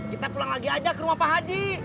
kita pulang lagi aja ke rumah pak haji